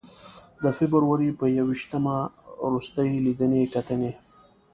د فبروري په ی ویشتمه روستۍ لیدنې کتنې.